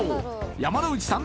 山之内さん